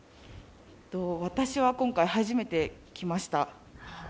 私は今回、初めて来ました。